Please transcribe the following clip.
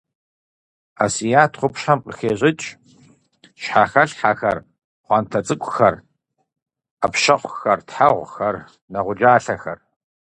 Асият къупщхьэм къыхещӏыкӏ: щхьэхэлъхьэхэр, пхъуантэ цӏыкӏухэр, ӏэпщэхъухэр, тхьэгъухэр, нэгъуджалъэхэр.